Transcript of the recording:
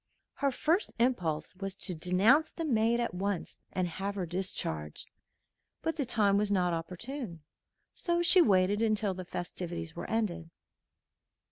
Her first impulse was to denounce the maid at once, and have her discharged; but the time was not opportune, so she waited until the festivities were ended.